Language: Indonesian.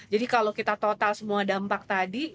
jadi kalau kita total semua dampak tadi